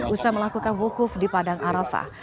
usaha melakukan wukuf di padang arafah